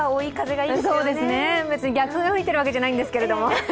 別に逆風が吹いているわけではないんですけども。